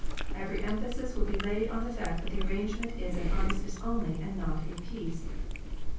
Every emphasis will be laid on the fact that the arrangement is an armistice only and not a peace.